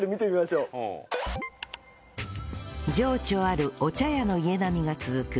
情緒あるお茶屋の家並みが続く